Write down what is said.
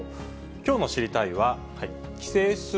きょうの知りたいッ！は、帰省する？